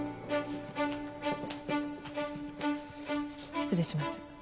失礼します。